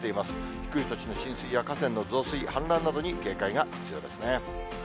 低い土地の浸水や河川の増水、氾濫などに警戒が必要ですね。